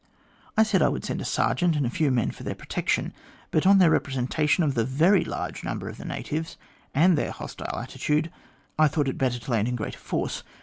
I said I would send a sergeant and a few men for their protection. But on their representation of the very large number of the natives, and their hostile attitude, I thought it better to land in greater force.